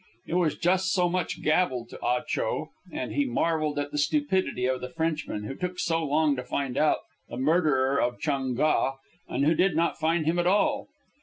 It was just so much gabble to Ah Cho, and he marvelled at the stupidity of the Frenchmen who took so long to find out the murderer of Chung Ga, and who did not find him at all.